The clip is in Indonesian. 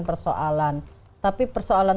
persoalan tapi persoalan